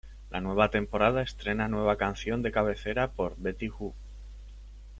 La nueva temporada estrena nueva canción de cabecera por Betty Who.